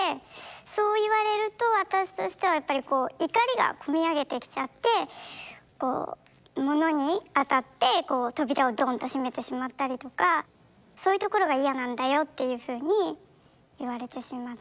そう言われると私としてはやっぱりこう怒りが込み上げてきちゃってこう物にあたってこう扉をドンと閉めてしまったりとかそういうところが嫌なんだよっていうふうに言われてしまって。